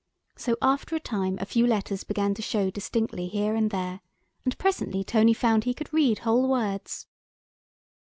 So after a time a few letters began to show distinctly here and there, and presently Tony found he could read whole words.